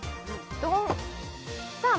ドンさあ